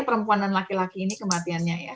perempuan dan laki laki ini kematiannya ya